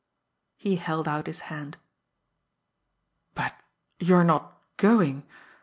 He held out his hand. "But you're not going!